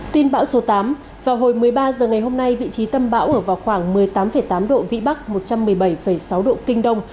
tin bão số tám vào hồi một mươi ba h ngày hôm nay vị trí tâm bão ở vào khoảng một mươi tám tám độ vĩ bắc một trăm một mươi bảy sáu độ kinh đông